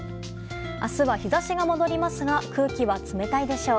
明日は、日差しが戻りますが空気は冷たいでしょう。